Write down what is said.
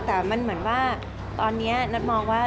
แต่มันเหมือนว่าตอนนี้นัทมองว่า